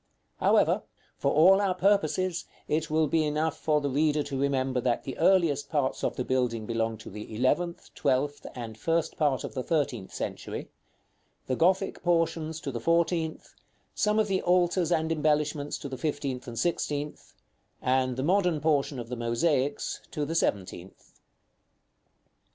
However, for all our purposes, it will be enough for the reader to remember that the earliest parts of the building belong to the eleventh, twelfth, and first part of the thirteenth century; the Gothic portions to the fourteenth; some of the altars and embellishments to the fifteenth and sixteenth; and the modern portion of the mosaics to the seventeenth.